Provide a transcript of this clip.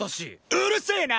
うるせえな！